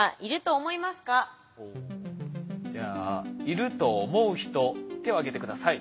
じゃあいると思う人手を挙げて下さい。